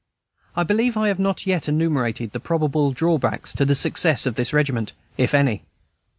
I believe I have not yet enumerated the probable drawbacks to the success of this regiment, if any.